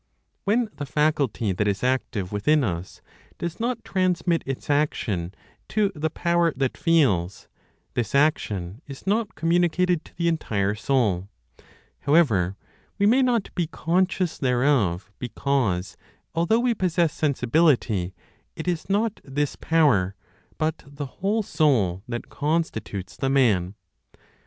When the faculty that is active within us does not transmit its action to the power that feels, this action is not communicated to the entire soul; however, we may not be conscious thereof because, although we possess sensibility, it is not this power, but the whole soul that constitutes the man.